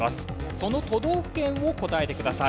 その都道府県を答えてください。